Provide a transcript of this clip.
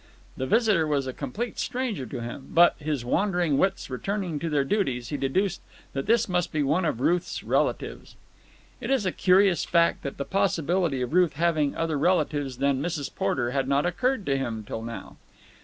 The visitor was a complete stranger to him, but, his wandering wits returning to their duties, he deduced that this must be one of Ruth's relatives. It is a curious fact that the possibility of Ruth having other relatives than Mrs. Porter had not occurred to him till now.